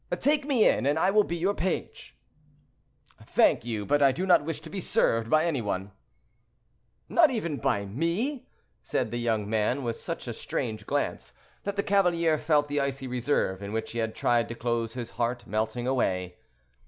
"Take me in, and I will be your page." "Thank you; but I do not wish to be served by any one." "Not even by me," said the young man, with such a strange glance, that the cavalier felt the icy reserve in which he had tried to close his heart melting away.